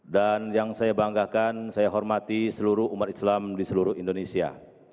dan yang saya banggakan saya hormati seluruh umat islam di seluruh indonesia